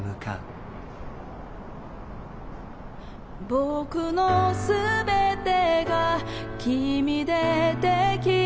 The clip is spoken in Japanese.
「僕の全てが君でできてた」